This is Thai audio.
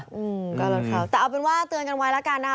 อืมก็รถเขาแต่เอาเป็นว่าเตือนกันไว้แล้วกันนะคะ